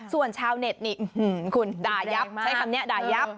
ส่วนชาวเน็ตนี่คุณด่ายับใช้คำนี้ด่ายับ